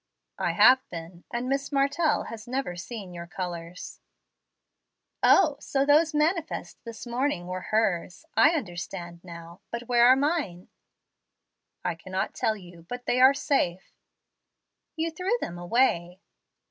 "I have been; and Miss Martell has never seen your colors." "O, those so manifest this morning were hers. I understand now. But where are mine?" "I cannot tell you. But they are safe." "You threw them away."